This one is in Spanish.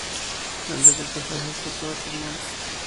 El Decreto fue ejecutado por mons.